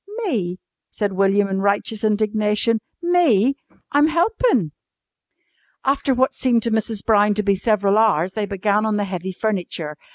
"Me?" said William in righteous indignation. "Me? I'm helpin'!" After what seemed to Mrs. Brown to be several hours they began on the heavy furniture.